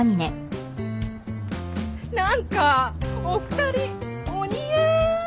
何かお二人お似合い！